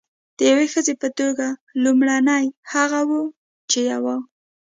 د یوې ښځې په توګه لومړنۍ هغه وه چې یوه.